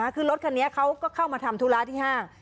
คือรถคันนี้เขาก็เข้ามาทำธุระที่ห้าง